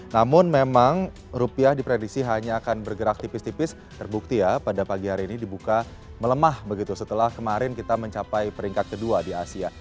namun memang rupiah diprediksi hanya akan bergerak tipis tipis terbukti ya pada pagi hari ini dibuka melemah begitu setelah kemarin kita mencapai peringkat kedua di asia